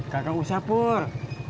kagak usah pur